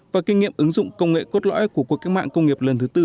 và kinh nghiệm ứng dụng công nghệ cốt lõi của cuộc cách mạng công nghiệp lần thứ tư